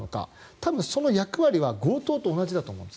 多分、その役割は強盗と同じだと思うんです。